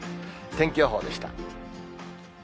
天気予報でし